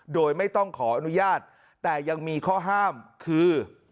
โดยไม่ต้องขออนุญาตแต่ยังมีข้อห้ามคือ